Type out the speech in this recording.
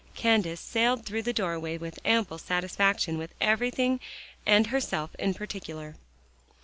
Candace sailed through the doorway with ample satisfaction with everything and herself in particular.